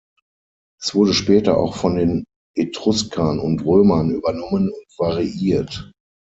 Es wurde später auch von den Etruskern und Römern übernommen und variiert.